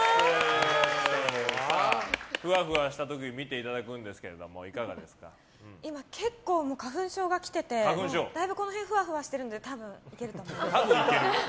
ふわふわした特技を見ていただくんですが今、結構、花粉症がきててだいぶこの辺ふわふわしてるのでたぶんいけると思います。